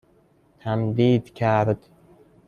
تمدید کرد